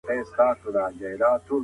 دولتونه د نوو ملګرو د پیدا کولو هڅه کوي.